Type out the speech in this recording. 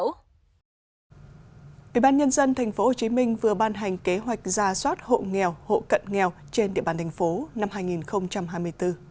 ủy ban nhân dân tp hcm vừa ban hành kế hoạch ra soát hộ nghèo hộ cận nghèo trên địa bàn thành phố năm hai nghìn hai mươi bốn